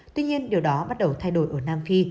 tuy nhiên điều đó bắt đầu thay đổi ở nam phi